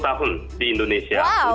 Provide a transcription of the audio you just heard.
sepuluh tahun di indonesia